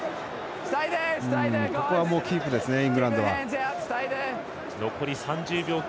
ここはもうキープですねイングランドは。